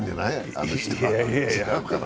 あの人は、違うかな？